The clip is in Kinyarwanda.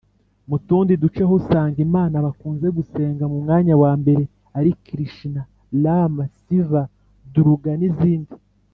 mu tundi duce ho usanga imana bakunze gusenga mu mwanya wa mbere ari kirishina, rama, siva, duruga, n’izindi.